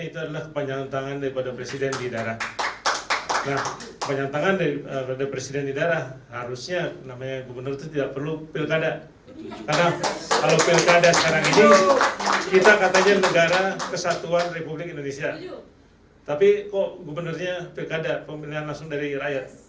tapi kok gubernurnya pilkada pemilihan langsung dari rakyat